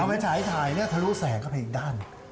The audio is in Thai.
เอาไว้ถ่ายทะลุแสงเข้าไปอีกด้าน